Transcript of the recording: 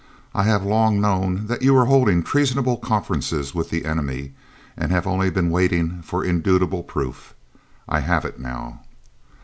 "I have long known that you were holding treasonable conferences with the enemy, and have only been waiting for indubitable proof. I have it now.